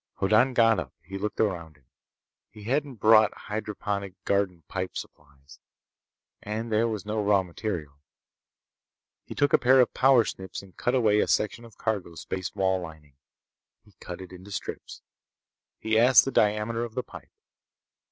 Hoddan got up. He looked about him. He hadn't brought hydroponic garden pipe supplies! And there was no raw material. He took a pair of power snips and cut away a section of cargo space wall lining. He cut it into strips. He asked the diameter of the pipe.